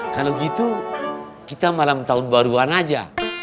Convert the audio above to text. kalau gitu kita malam tahun baruan aja